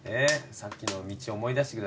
さっきの道思い出してください。